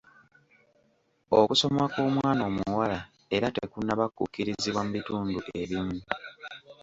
Okusoma kw'omwana omuwala era tekunnaba kukkirizibwa mu bitundu ebimu.